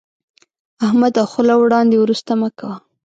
احمده، خوله وړاندې ورسته مه کوه.